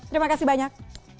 terima kasih banyak